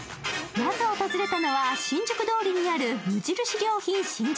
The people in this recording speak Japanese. まず訪れたのは、新宿通りにある無印良品新宿。